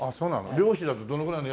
漁師だとどのぐらいなの？